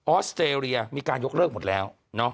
อสเตรเลียมีการยกเลิกหมดแล้ว